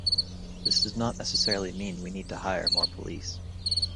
This does not necessarily mean we need to hire more police.